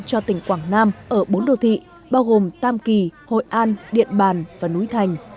cho tỉnh quảng nam ở bốn đô thị bao gồm tam kỳ hội an điện bàn và núi thành